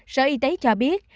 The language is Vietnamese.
sở y tế cho biết